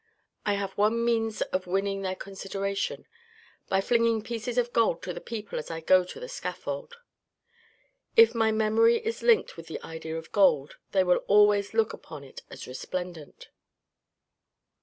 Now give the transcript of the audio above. I have one means of winning their consideration ; by flinging pieces of gold to the people as I go to the scaffold. If my memory is linked with the idea of gold, they will always look upon it as resplendent."